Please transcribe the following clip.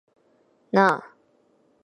なあ